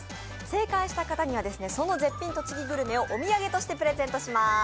正解した方にはその絶品栃木グルメをお土産としてプレゼントします。